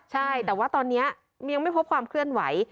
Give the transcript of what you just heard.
ใช่แต่ว่าตอนนี้ยังไม่พบความเคลื่อนไหว